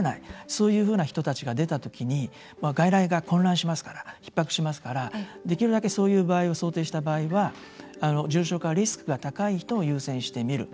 そういうふうな人たちが出た時に外来が混乱しますからひっ迫しますからできるだけ、そういう場合を想定した場合は、重症化のリスクが高い人を優先して診る。